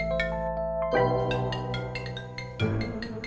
kecel lebih frau